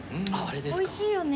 おいしいよね。